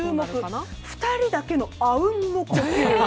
２人だけの、あうんの呼吸。